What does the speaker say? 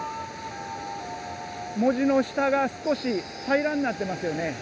文字の下が少し平らになっていますよね。